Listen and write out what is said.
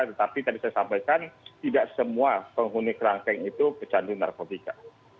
tetapi tadi saya sampaikan tidak semua penghuni kerangkeng itu pecandu narkotika